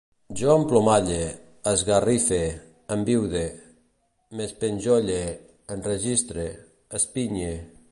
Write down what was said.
Jo emplomalle, esgarrife, enviude, m'espenjolle, enregistre, espinye